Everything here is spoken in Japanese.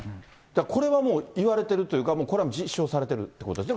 これはもう、いわれているというか、これは実証されてるということですね。